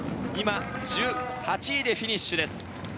１８位でフィニッシュです。